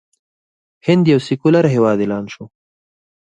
هند یو سیکولر هیواد اعلان شو.